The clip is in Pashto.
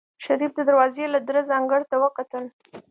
شريف د دروازې له درزه انګړ ته وکتل.